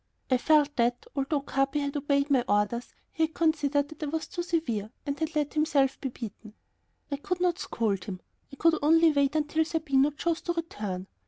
I felt that, although Capi had obeyed my orders, he had considered that I was too severe and had let himself be beaten. I could not scold him. I could only wait until Zerbino chose to return.